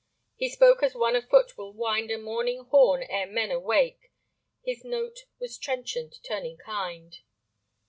He spoke as one afoot will wind A morning horn ere men awake; His note was trenchant, turning kind.